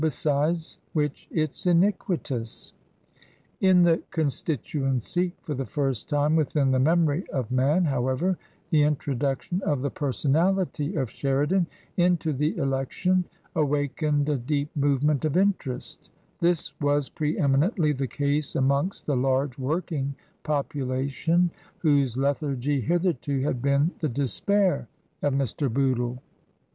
Besides which it's iniquitous." In the constituency, for the first time within the memory of man, however, the introduction of the personality of Sheridan into the election awakened a deep movement of interest ; this was pre eminently the case amongst the large working population, whose lethargy, hitherto, had been the despair of Mr. Bootle.